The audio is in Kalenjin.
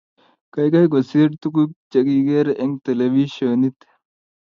Geigei kosiir tuguuk chagigere eng televishionit ---